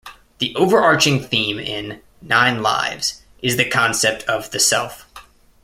The overarching theme in "Nine Lives" is the concept of the self.